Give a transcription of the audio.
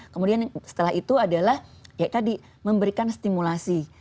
kemudian setelah itu adalah ya tadi memberikan stimulasi